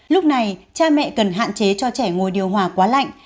lúc này cha mẹ cần hạn chế cho trẻ ngồi điều hòa quá lạnh